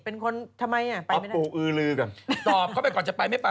ออกปรูอือรือกัน